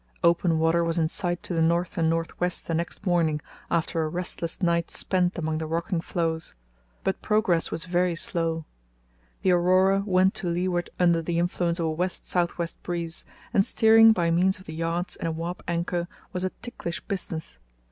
Open water was in sight to the north and north west the next morning, after a restless night spent among the rocking floes. But progress was very slow. The Aurora went to leeward under the influence of a west south west breeze, and steering by means of the yards and a warp anchor was a ticklish business.